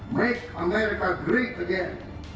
make america great again